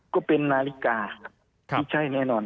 ก็เป็นนาฬิกา